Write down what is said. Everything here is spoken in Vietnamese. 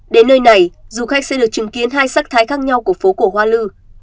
đến nơi này du khách sẽ được chứng kiến hai sắc thái khác nhau của phố cổ hoa lư